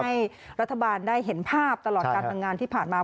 ให้รัฐบาลได้เห็นภาพตลอดการทำงานที่ผ่านมา